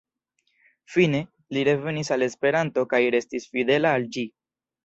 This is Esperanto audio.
Fine, li revenis al Esperanto kaj restis fidela al ĝi.